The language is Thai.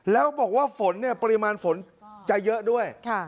แล้วบอกว่าฝนเนี่ยปริมาณฝนจะเยอะด้วย